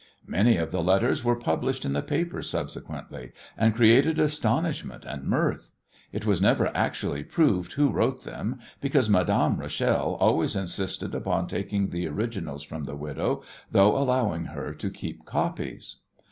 Many of the letters were published in the papers subsequently, and created astonishment and mirth. It was never actually proved who wrote them, because Madame Rachel always insisted upon taking the originals from the widow, though allowing her to keep copies.